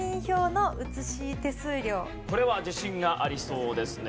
これは自信がありそうですね。